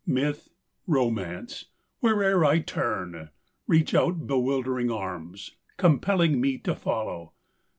Myth, Romance, Where'er I turn, reach out bewildering arms, Compelling me to follow.